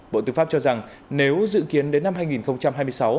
bộ tư pháp cho rằng nếu dự kiến đến năm hai nghìn hai mươi sáu